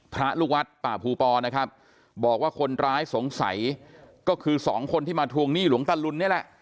พระลูกวัดป่าภูปอนะครับบอกว่าคนร้ายสงสัยก็คือสองคนที่มาทวงหนี้หลวงตะลุนนี่แหละ